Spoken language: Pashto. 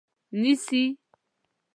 نیسي